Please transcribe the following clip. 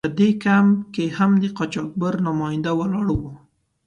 په دې کمپ کې هم د قاچاقبر نماینده ولاړ و.